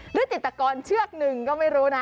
หรือจิตกรเชือกหนึ่งก็ไม่รู้นะ